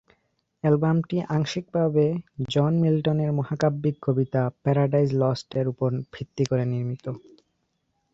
অ্যালবামটি আংশিকভাবে জন মিলটনের মহাকাব্যিক কবিতা "প্যারাডাইস লস্ট" এর উপর ভিত্তি করে নির্মিত।